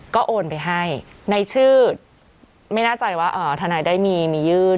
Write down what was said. ก็โอนไปให้ในชื่อไม่แน่ใจว่าทนายได้มียื่น